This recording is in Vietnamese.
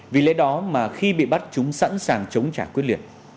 vì lẽ đó mà khi bị bắt chúng sẵn sàng chống trả quyết liệt